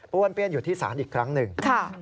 ้วนเปี้ยนอยู่ที่ศาลอีกครั้งหนึ่ง